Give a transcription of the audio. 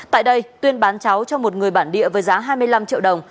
tại đây tuyên bán cháu cho một người bản địa với giá hai mươi năm triệu đồng